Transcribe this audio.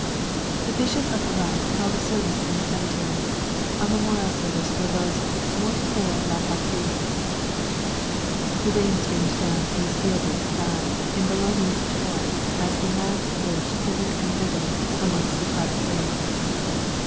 _ The Bishop of Arras held a service in the cemetery, a memorial service for those morts pour la Patrie. The rain streamed down from the steel grey sky in Boulognese torrents as the mass surged hither and thither amongst the crowded graves.